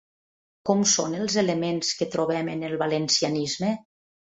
Com són els elements que trobem en el valencianisme?